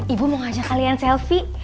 ibu mau ngajak kalian selfie